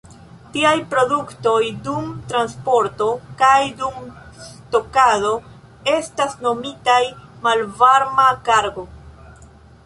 Tiaj produktoj, dum transporto kaj dum stokado, estas nomitaj "malvarma kargo".